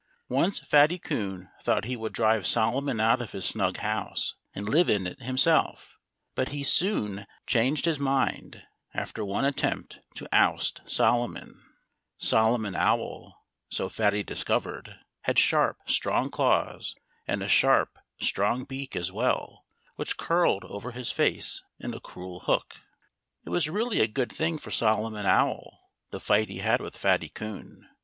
Once Fatty Coon thought that he would drive Solomon out of his snug house and live in it himself. But he soon changed Solomon Owl—so Fatty discovered—had sharp, strong claws and a sharp, strong beak as well, which curled over his face in a cruel hook. It was really a good thing for Solomon Owl—the fight he had with Fatty Coon.